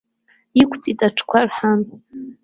Иқәҵит аҽқәа рҳан.